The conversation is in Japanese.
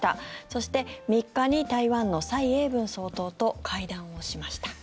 そして３日に台湾の蔡英文総統と会談をしました。